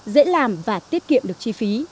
dễ làm và tiết kiệm được chi phí